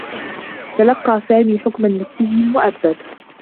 تلقّى سامي حكما بالسّجن المؤبّد.